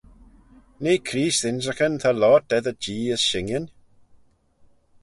Nee Creest ynrican ta loayrt eddyr Jee as shinyn?